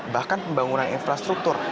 bahkan pembangunan infrastruktur